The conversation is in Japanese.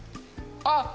あっ！